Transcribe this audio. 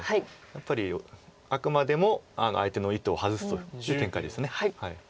やっぱりあくまでも相手の意図を外すという展開です。